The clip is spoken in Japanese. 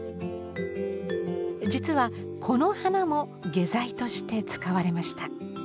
実はこの花も下剤として使われました。